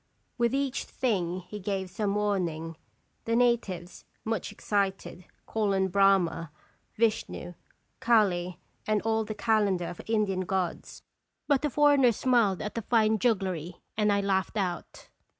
With each thing he gave some warning. The natives, much excited, call on Brahma, Vishnu, Calle, and all the calendar of Indian gods; but the foreigners smiled at the fine jugglery, and I laughed out.